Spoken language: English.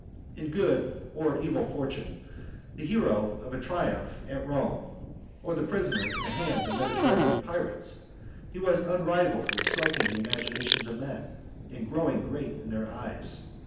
In good or evil fortune, the hero of a triumph at Rome or a prisoner in the hands of Mediterranean pirates, he was unrivalled in striking the imaginations of men and growing great in their eyes.